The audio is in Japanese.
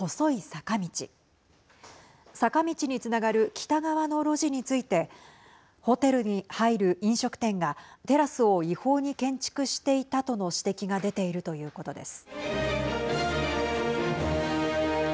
坂道につながる北側の路地についてホテルに入る飲食店がテラスを違法に建築していたとの指摘が出ているということです。